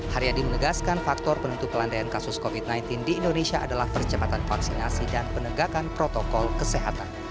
haryadi menegaskan faktor penentu pelandaian kasus covid sembilan belas di indonesia adalah percepatan vaksinasi dan penegakan protokol kesehatan